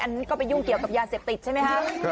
อันนี้ก็ไปยุ่งเกี่ยวกับยาเสพติดใช่ไหมคะ